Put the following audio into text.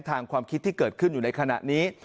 ความคิดที่เกิดขึ้นอยู่ในขณะนี้